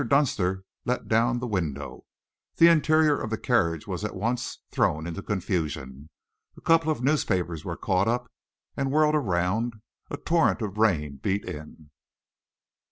Dunster let down the window. The interior of the carriage was at once thrown into confusion. A couple of newspapers were caught up and whirled around, a torrent of rain beat in.